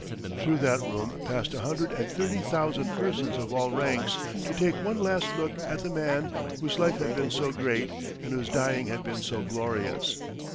Through that room passed a hundred and thirty thousand persons of all ranks, to take one last look at the man whose life had been so great, and whose dying had been so glorious.